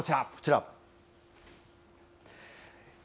こちら。